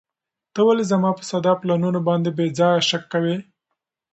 ته ولې زما په ساده پلانونو باندې بې ځایه شک کوې؟